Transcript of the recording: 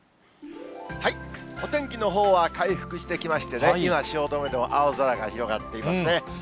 お天気のほうは回復してきまして、今、汐留でも青空が広がっていますね。